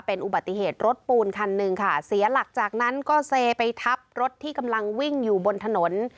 เป็นอุบัติเหตุรถปูนคันหนึ่งค่ะเสียหลักจากนั้นก็เซไปทับรถที่กำลังวิ่งอยู่บนถนน